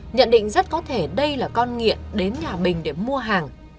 nhận định rất có thể đây là con nghiện đến nhà bình để mua hàng